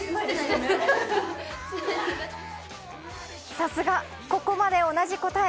さすが、ここまで同じ答え